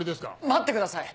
待ってください。